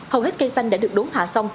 hầu hết cây xanh đã được đốn hạ xong